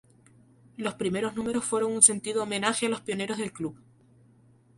Los primeros números fueron un sentido homenaje a los pioneros del club.